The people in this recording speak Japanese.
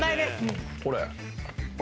これ。